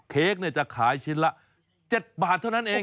เค้กจะขายชิ้นละ๗บาทเท่านั้นเอง